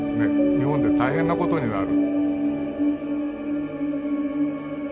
日本で大変なことになる。